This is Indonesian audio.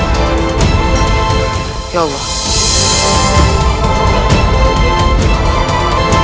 sampai jumpa lagi